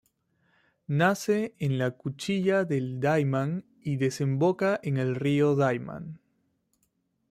Nace en la Cuchilla del Daymán y desemboca en el río Daymán.